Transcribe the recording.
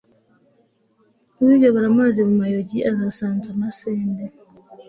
uyobora amazi mu mayogi, ugasanza amasinde